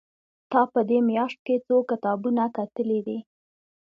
تا په دې مياشت کې څو کتابونه کتلي دي؟